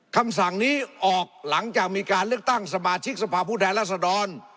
คำสั่งนี้ออกหลังจากมีการเลือกตั้งสมาชิกสภาพผู้แทนรัศดร